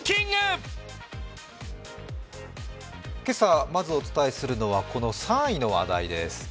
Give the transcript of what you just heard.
今朝、まずお伝えするのはこの３位の話題です。